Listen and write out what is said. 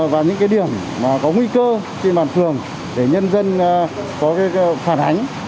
và những điểm có nguy cơ trên bàn phường để nhân dân có phản ánh